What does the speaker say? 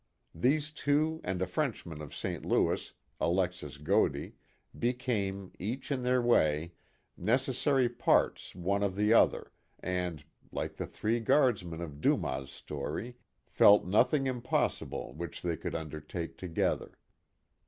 These two and a Frenchman of Saint Louis, Alexis Godey, became, each in their way, necessary parts one of the other and, like KIT CARSON. 31 the Three Guardsmen of Dumas' story, felt nothing impossible which they could undertake together.